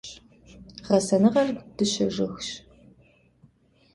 Гъэсэныгъэр дыщэ жыгщ.